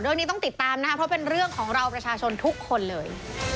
เรื่องนี้ต้องติดตามนะครับเพราะเป็นเรื่องของเราประชาชนทุกคนเลย